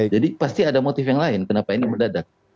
jadi pasti ada motif yang lain kenapa ini mendadak